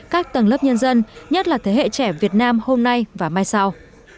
các tầng lớp nhân dân nhất là thế hệ trẻ việt nam hôm nay và mai sau